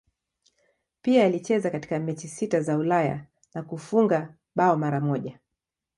Pia alicheza katika mechi sita za Ulaya na kufunga bao mara moja.